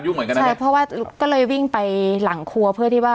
เหมือนกันนะใช่เพราะว่าก็เลยวิ่งไปหลังครัวเพื่อที่ว่า